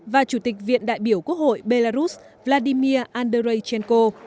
và chủ tịch viện đại biểu quốc hội belarus vladimir anderychenko